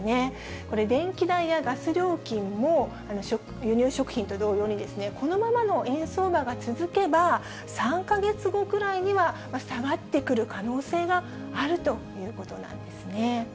これ、電気代やガス料金も、輸入食品と同様に、このままの円相場が続けば、３か月後ぐらいには、下がってくる可能性があるということなんですね。